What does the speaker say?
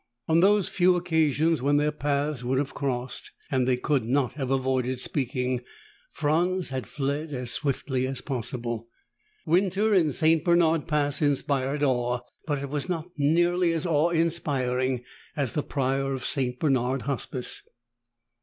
On those few occasions when their paths would have crossed, and they could not have avoided speaking, Franz had fled as swiftly as possible. Winter in St. Bernard Pass inspired awe, but it was not nearly as awe inspiring as the Prior of St. Bernard Hospice.